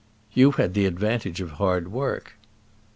"You had the advantage of hard work."